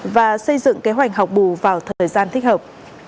và xây dựng kế hoạch học bù vào thời gian thích hợp